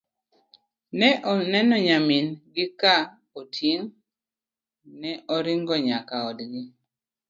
ne oneno nyamin gi ka oting' ne oringo nyaka e odgi